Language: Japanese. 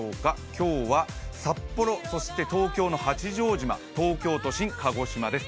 今日は札幌、東京の八丈島東京都心、鹿児島です。